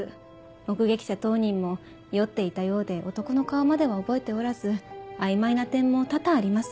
目撃者当人も酔っていたようで男の顔までは覚えておらず曖昧な点も多々あります。